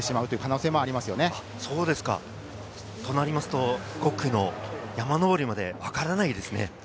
となりますと５区の山上りまでわからないですね。